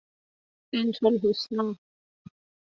بِنتالحسنی